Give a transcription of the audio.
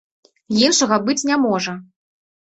Іншага быць не можа.